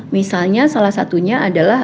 misalnya salah satunya adalah